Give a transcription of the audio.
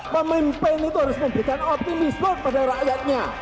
pemimpin itu harus memberikan optimisme kepada rakyatnya